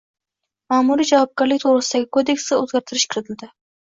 Ma’muriy javobgarlik to‘g‘risidagi kodeksga o‘zgartirish kiritildi